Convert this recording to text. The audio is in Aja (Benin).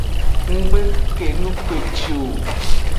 Ng gbe kenu kpeci o.